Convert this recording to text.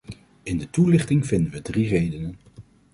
In de toelichting vinden we drie redenen.